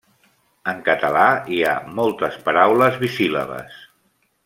En català hi ha moltes paraules bisíl·labes.